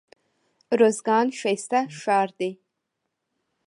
روزګان ښايسته ښار دئ.